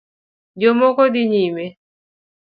Jomoko dhi nyime